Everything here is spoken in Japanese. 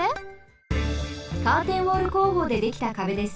カーテンウォール工法でできた壁です。